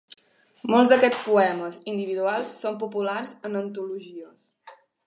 Molts d'aquests poemes individuals són populars en antologies.